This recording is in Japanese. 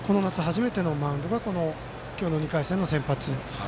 この夏初めてのマウンドが今日の２回戦の先発。